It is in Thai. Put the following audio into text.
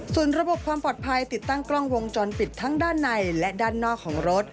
ส่วนระบบความปลอดภัยติดตั้งกล้องวงจรปิดทั้งด้านในและด้านนอกของรถ